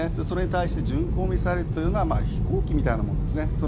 それに対して巡航ミサイルというのは飛行機みたいなものですね。